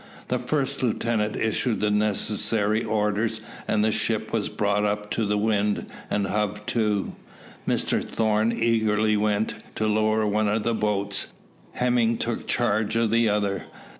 The first lieutenant issued the necessary orders, and the ship was brought up to the wind and hove to. Mr Thorn eagerly went to lower one of the boats. Hemming took charge of the other.